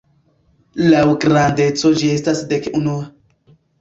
Laŭ grandeco ĝi estas dek-unua.